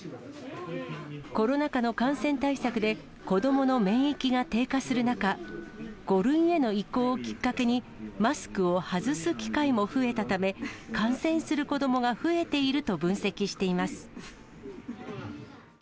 コロナ禍の感染対策で子どもの免疫が低下する中、５類への移行をきっかけに、マスクを外す機会も増えたため、観戦する子どもが増えていると分析しています。